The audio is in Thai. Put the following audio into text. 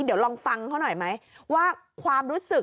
เดี๋ยวลองฟังเขาหน่อยไหมว่า